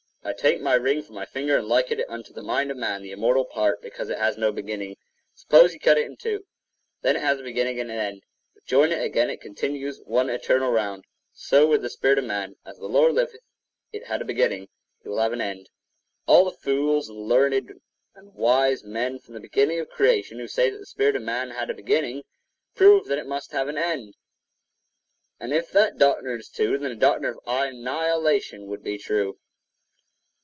I take my ring from my finger and liken it unto the mind of man—the immortal part, because it has no beginning. Suppose you cut it in two; then it has a beginning and an end; but join it again, and it continues one eternal round. So with the spirit of man. As the Lord liveth, if it had a beginning, it will have an end. All the fools and learned and wise men from the beginning of creation, who say that the spirit of man had a beginning, prove that it must have an end; and if that doctrine is true, then the doctrine of annihilation would be true.